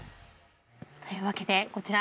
というわけでこちら。